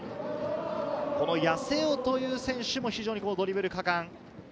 この八瀬尾という選手も、非常にドリブル果敢。